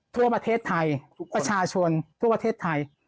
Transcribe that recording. ทั่วประเทศไทยประชาชนทั่วประเทศไทย